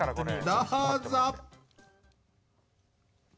どうぞ。